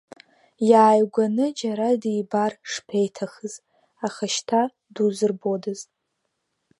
Иааигәаны џьара дибар шԥеиҭахыз, аха шьҭа дузырбодаз.